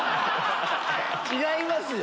違いますよ！